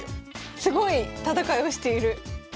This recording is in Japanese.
すごい戦いをしている！